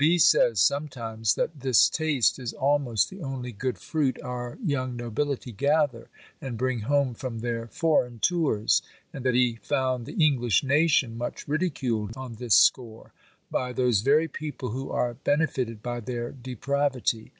B. says, sometimes, that this taste is almost the only good fruit our young nobility gather, and bring home from their foreign tours; and that he found the English nation much ridiculed on this score, by those very people who are benefited by their depravity.